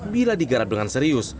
bila digarap dengan serius